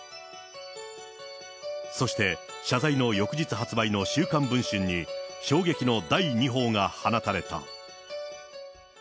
そして、謝罪の翌日発売の週刊文春に衝撃の第２報が放たれた。